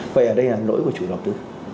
vậy ở đây là lỗi của chủ đầu tư